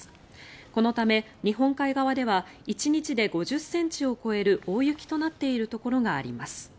このため、日本海側では１日で５０ｃｍを超える大雪となっているところがあります。